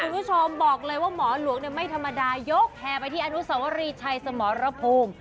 คุณผู้ชมบอกเลยว่าหมอหลวงไม่ธรรมดายกแห่ไปที่อนุสวรีชัยสมรภูมิ